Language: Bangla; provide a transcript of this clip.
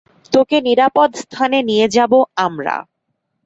তোকে নিরাপদ স্থানে নিয়ে যাবো আমরা।